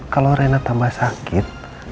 kalau rena tambah sakit